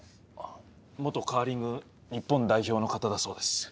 元カーリング日本代表の方だそうです。